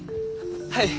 はい。